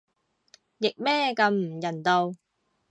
譯咩咁唔人道